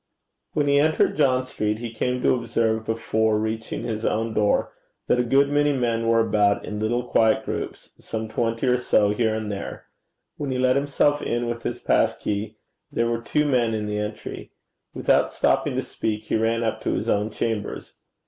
When he entered John Street, he came to observe before reaching his own door that a good many men were about in little quiet groups some twenty or so, here and there. When he let himself in with his pass key, there were two men in the entry. Without stopping to speak, he ran up to his own chambers.